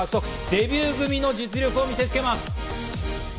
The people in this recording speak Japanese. デビュー組の実力を見せ付けます。